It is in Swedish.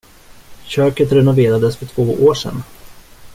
Köket renoverades för två år sen.